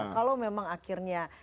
kalau memang akhirnya